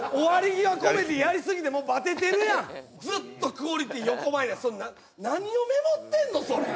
際コメディーやりすぎてもうバテてるやんずっとクオリティー横ばいや何をメモってんのそれ？